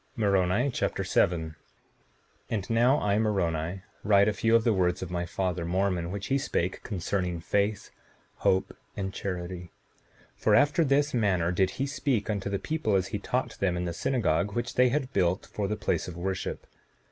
Moroni Chapter 7 7:1 And now I, Moroni, write a few of the words of my father Mormon, which he spake concerning faith, hope, and charity; for after this manner did he speak unto the people, as he taught them in the synagogue which they had built for the place of worship.